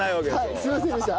はいすいませんでした。